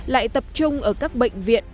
lại tập trung ở các bệnh viện